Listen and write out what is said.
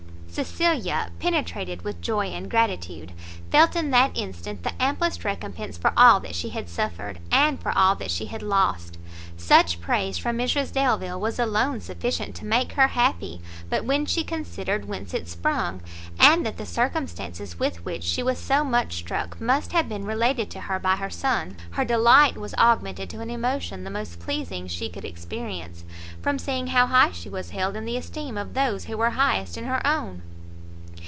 Cecilia, penetrated with joy and gratitude, felt in that instant the amplest recompense for all that she had suffered, and for all that she had lost. Such praise from Mrs Delvile was alone sufficient to make her happy; but when she considered whence it sprung, and that the circumstances with which she was so much struck, must have been related to her by her son, her delight was augmented to an emotion the most pleasing she could experience, from seeing how high she was held in the esteem of those who were highest in her own.